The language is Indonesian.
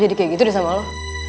jadi kayak gitu deh sama lo